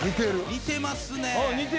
似てますね。